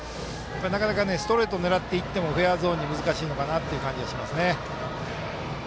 なかなかストレート狙っていってもフェアゾーンに難しいのかなという感じはしますね。